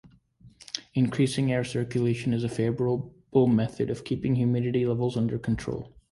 Increasing air circulation is a favourable method of keeping humidity levels under control.